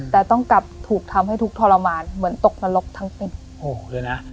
แต่ต้องกลับถูกทำให้ทุกข์ทรมานเหมือนตกนรกทั้งเป็นโอ้โหเลยนะ